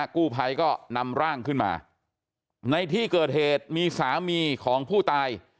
กู้ภัยก็นำร่างขึ้นมาในที่เกิดเหตุมีสามีของผู้ตาย